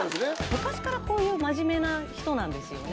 昔からこういう真面目な人なんですよね。